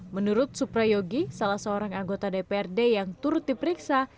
menurut suprayogi salah seorang anggota dprd yang turut diperiksa